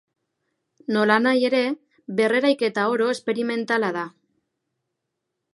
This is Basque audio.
Nolanahi ere, berreraiketa oro esperimentala da.